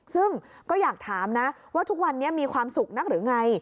ซึ่งก็อยากถามนะว่าทุกวันนี้มีความสุขนักหรือไง